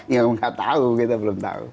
ya saya tidak tahu kita belum tahu